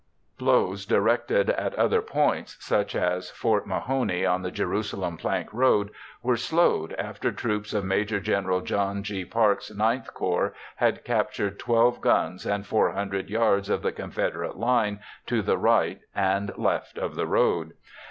Blows directed at other points, such as Fort Mahone on the Jerusalem Plank Road, were slowed after troops of Maj. Gen. John G. Parke's IX Corps had captured 12 guns and 400 yards of the Confederate line to the right and left of the road.